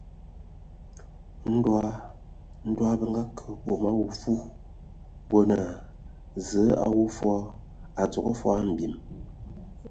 Ndɔ ndɔ bǝ akə bom a avu, bo naa : Zǝə a wu fɔɔ, a dzogo fɔɔ mbim.